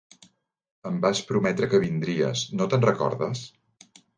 Em vas prometre que vindries: no te'n recordes?